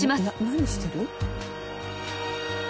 何してる？